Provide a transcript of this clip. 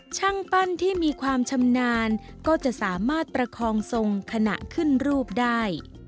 ช่างปั้นที่มีความชำนาญก็จะสามารถประคองทรงขณะขึ้นรูปได้